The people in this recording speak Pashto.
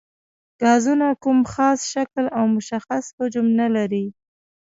ګازونه کوم خاص شکل او مشخص حجم نه لري.